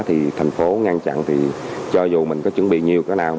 thì thành phố ngăn chặn thì cho dù mình có chuẩn bị nhiều cái nào